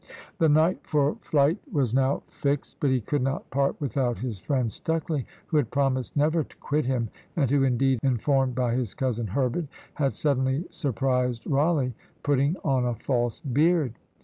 The night for flight was now fixed, but he could not part without his friend Stucley, who had promised never to quit him; and who indeed, informed by his cousin Herbert, had suddenly surprised Rawleigh putting on a false beard.